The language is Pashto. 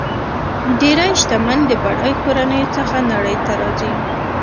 ډېری شتمن د بډایو کورنیو څخه نړۍ ته راځي.